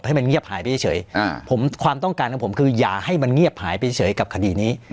ให้มันเงียบหายไปเฉยความต้องการของผมคืออย่าให้มันเงียบหายไปเฉยกับคดีนี้